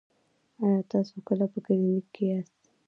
ایا تاسو کله په کلینیک کې یاست؟